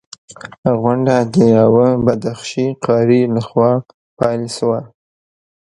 غونډه د یوه بدخشي قاري لخوا پیل شوه.